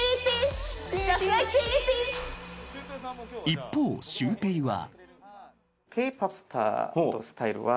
［一方シュウペイは］